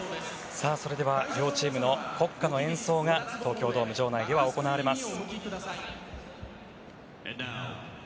それでは両チームの国歌の演奏が東京ドーム場内では行われます。